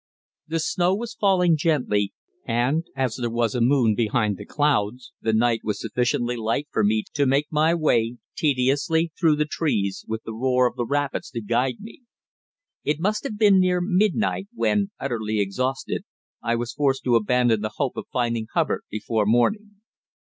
The snow was falling gently, and as there was a moon behind the clouds the night was sufficiently light for me to make my way tediously through the trees, with the roar of the rapids to guide me. It must have been near midnight when, utterly exhausted, I was forced to abandon the hope of finding Hubbard before morning.